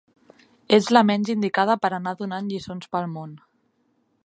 Ets la menys indicada per anar donant lliçons pel món.